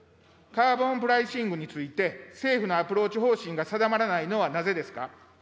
カーボンプライシングについて、政府のアプローチ方針が定まらないのはなぜですか。